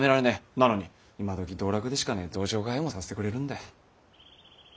なのに今どき道楽でしかねえ道場通いもさせてくれるんで。